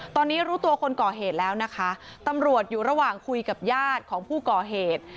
ตอนนี้รู้ตัวคนก่อเหตุแล้วนะคะตำรวจอยู่ระหว่างคุยกับญาติของผู้ก่อเหตุ